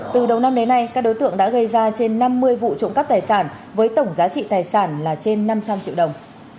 từ đầu năm đến nay các đối tượng đã gây ra trên năm mươi vụ trộm cắp tài sản với tổng giá trị tài sản là trên năm trăm linh triệu đồng